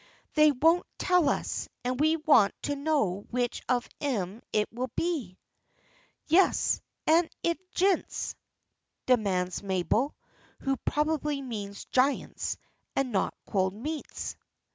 "They wouldn't tell us, and we want to know which of 'em it will be." "Yes, an' is it jints?" demands Mabel, who probably means giants, and not cold meats.